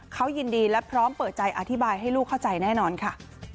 เขายินดีและพร้อมเปิดใจอธิบายให้ลูกเข้าใจแน่นอนค่ะ